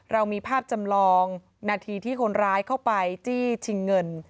เรามีภาพจำลองนาทีที่คนร้ายเข้าไปจี้ชิงเงิน